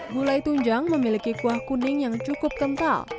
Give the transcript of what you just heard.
gulai tunjang memiliki kuah kuning yang cukup kental